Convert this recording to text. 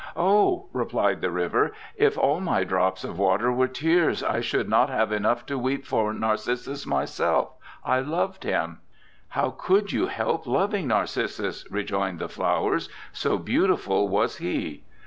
'"Oh," replied the River, "if all my drops of water were tears, I should not have enough to weep for Narcissus myself I loved him." '"How could you help loving Narcissus?" rejoined the Flowers, "so beautiful was he."